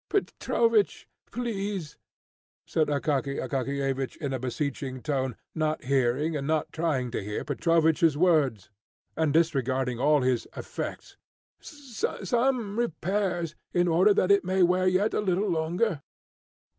"Petrovich, please," said Akaky Akakiyevich in a beseeching tone, not hearing, and not trying to hear, Petrovich's words, and disregarding all his "effects," "some repairs, in order that it may wear yet a little longer."